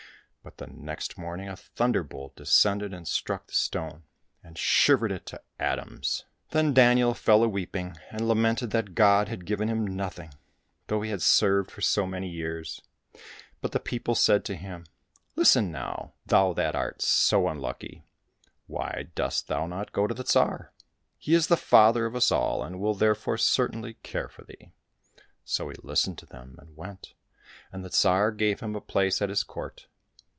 But the next morning a thunder bolt descended and struck the stone, and shivered it to atoms. Then Daniel fell a weeping, and lamented that God had given him nothing, though he had served for so many years. But the people said to him, " Listen now ! thou that art so unlucky, k why dost thou not go to the Tsar ? He is the father of us all, and will therefore certainly care for thee !" So he listened to them and went, and the Tsar gave him a place at his court.